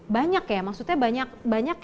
banyak ya maksudnya banyak